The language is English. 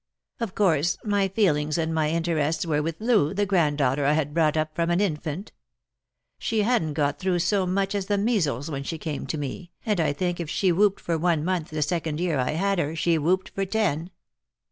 Of course my feelings and my interests were with Loo, the grand daughter I had brought up from an infant. She hadn't got through so much as the measles when she came to me, and I think if she whooped for one month the second year I had her, she whooped for ten.